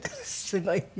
すごいね。